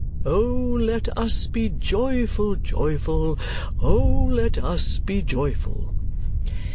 O let us be joyful, joyful! O let us be joyful!"